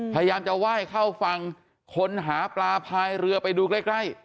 พยายามจะไหว้เข้าฝั่งคนหาปลาพายเรือไปดูใกล้ใกล้